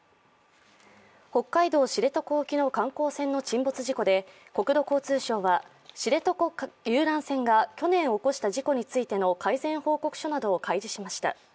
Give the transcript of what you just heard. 北海道・知床沖の観光船の沈没事故で国土交通省は、知床遊覧船が去年起こした事故についての改善報告書などを開示しました。